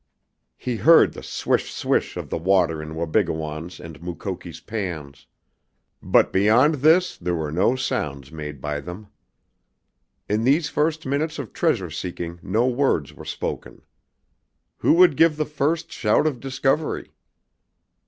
He heard the swish swish of the water in Wabigoon's and Mukoki's pans. But beyond this there were no sounds made by them. In these first minutes of treasure seeking no words were spoken. Who would give the first shout of discovery?